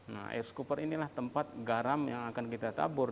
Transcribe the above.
nah es cooper inilah tempat garam yang akan kita tabur